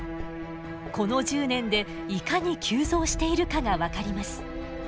この１０年でいかに急増しているかが分かります。